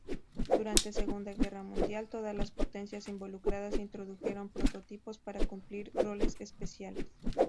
Durante Segunda Guerra Mundial, todas las potencias involucradas introdujeron prototipos para cumplir roles especiales.